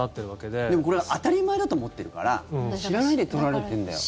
でも、これ当たり前だと思ってるから知らないで取られてるんだよ。